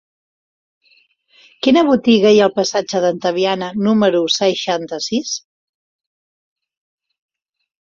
Quina botiga hi ha al passatge d'Antaviana número seixanta-sis?